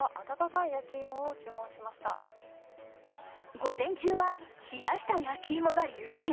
午前中は冷やした焼き芋が優勢。